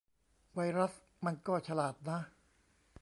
ไวรัสมันก็ฉลาดนะ